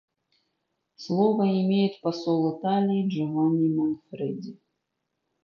Слово имеет посол Италии Джованни Манфреди.